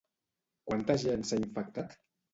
Quanta gent s'ha infectat?